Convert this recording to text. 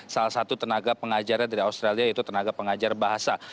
salah satu tenaga pengajarnya dari australia yaitu tenaga pengajar bahasa